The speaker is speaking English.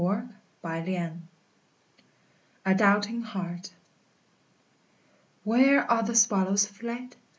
LORD BYRON. A DOUBTING HEART. Where are the swallows fled?